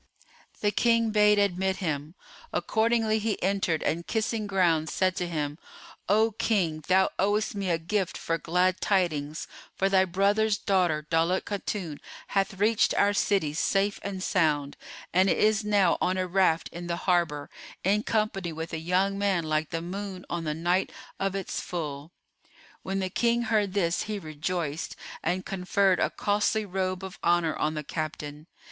The King bade admit him; accordingly he entered and kissing ground[FN#433] said to him, "O King, thou owest me a gift for glad tidings; for thy brother's daughter Daulat Khatun hath reached our city safe and sound, and is now on a raft in the harbour, in company with a young man like the moon on the night of its full." When the King heard this, he rejoiced and conferred a costly robe of honour on the captain.